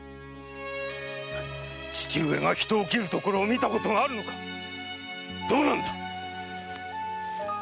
父上が人を斬ったのを見たことがあるのか⁉どうなんだ？